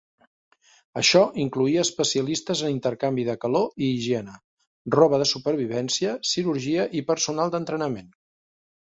Això incloïa especialistes en intercanvi de calor i higiene, roba de supervivència, cirurgia i personal d'entrenament.